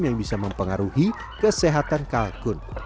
yang bisa mempengaruhi kesehatan kalkun